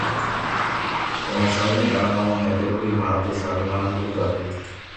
Ohasa umi ára ha og̃uahẽ Perurima apysápe marandu pyahu.